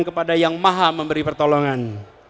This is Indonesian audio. kepada yang maha memberi pertolongan